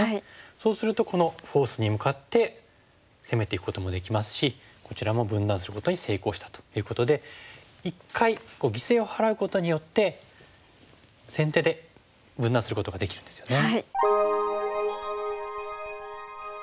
そうするとこのフォースに向かって攻めていくこともできますしこちらも分断することに成功したということで一回犠牲を払うことによって先手で分断することができるんですよね。